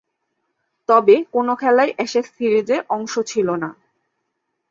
তবে, কোন খেলাই অ্যাশেজ সিরিজের অংশ ছিল না।